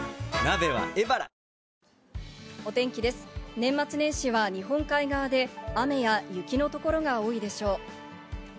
年末年始は日本海側で雨や雪の所が多いでしょう。